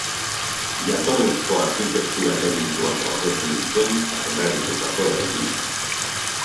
Jatorrizko arkitektura elementuak gordetzen dituen zaharberritutako eraikina da.